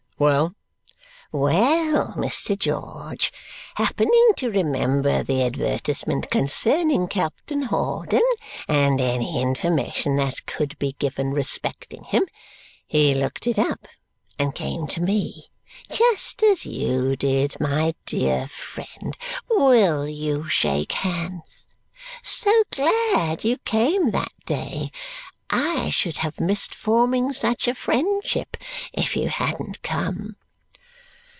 "Well?" "Well, Mr. George. Happening to remember the advertisement concerning Captain Hawdon and any information that could be given respecting him, he looked it up and came to me just as you did, my dear friend. WILL you shake hands? So glad you came that day! I should have missed forming such a friendship if you hadn't come!"